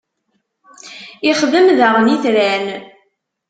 ixdem daɣen itran.